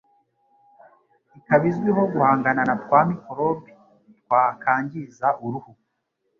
ikaba izwiho guhangana na twa mikorobi twakangiza uruhu